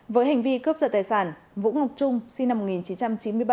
với hành vi cướp giật tài sản vũ ngọc trung sinh năm một nghìn chín trăm chín mươi bảy